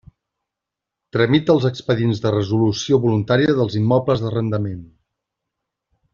Tramita els expedients de resolució voluntària dels immobles d'arrendament.